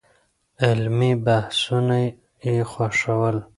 علمي بحثونه يې خوښول.